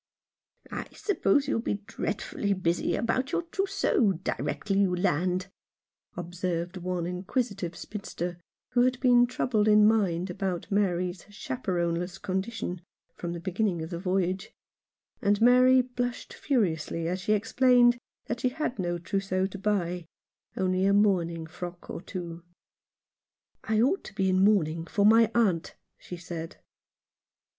" I suppose you'll be dreadfully busy about your trousseau directly you land," observed one in quisitive spinster, who had been troubled in mind about Mary's chaperonless condition from the beginning of the voyage ; and Mary blushed furiously as she explained that she had no trousseau to buy — only a mourning frock or two. " I ought to be in mourning for my aunt," she said.